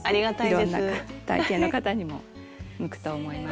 いろんな体型の方にも向くと思います。